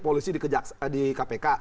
polisi di kpk